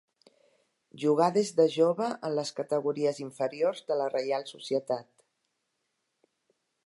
Jugà des de jove en les categories inferiors de la Reial Societat.